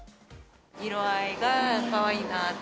色合いがかわいいなと。